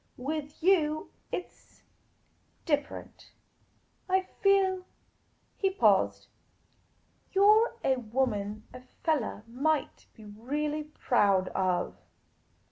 With you, it 's different. I feel "— he paused —" you 're a woman a fellah might be really proud of."